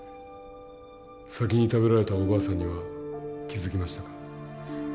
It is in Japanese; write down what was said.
先に食べられたおばあさんには気付きましたか？